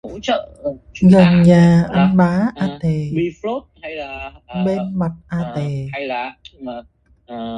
Gần nhà anh Bá a tề, bên mặt a tề